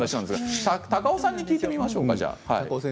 高尾さんに聞いてみましょう。